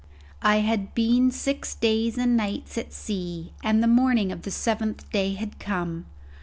I had been six days and nights at sea, and the morning of the seventh day had come.